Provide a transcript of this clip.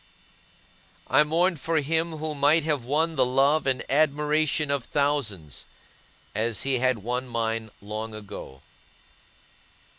I mourned for him who might have won the love and admiration of thousands, as he had won mine long ago.